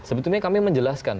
sebetulnya kami menjelaskan